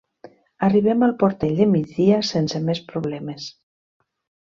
Arribem al Portell de Migdia sense més problemes.